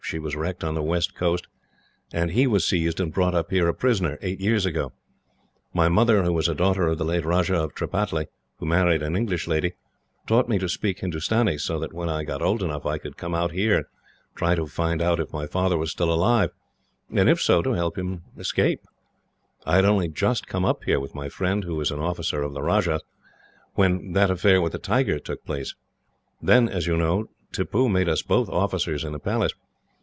She was wrecked on the west coast, and he was seized and brought up here a prisoner, eight years ago. My mother, who is a daughter of the late Rajah of Tripataly, who married an English lady, taught me to speak Hindustani, so that when I got old enough I could come out here and try to find out if my father was still alive, and if so, to help him to escape. I had only just come up here, with my friend, who is an officer of the Rajah's, when that affair with the tiger took place. Then, as you know, Tippoo made us both officers in the Palace.